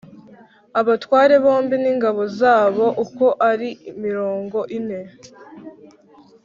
abatware bombi n ingabo zabo uko ari mirongo ine